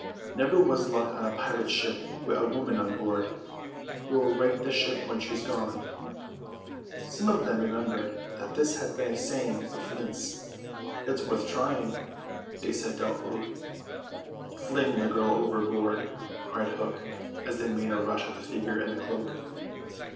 Never was luck on a pirate ship wi' a woman on board. We'll right the ship when she's gone." Some of them remembered that this had been a saying of Flint's. "It's worth trying," they said doubtfully. "Fling the girl overboard," cried Hook; and they made a rush at the figure in the cloak.